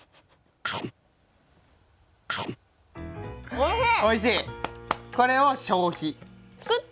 おいしい。